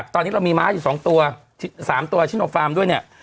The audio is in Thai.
ตอนนี้เรามีม้าอยู่๒ตัว๓ตัวชิโนฟาร์มด้วยเนี่ย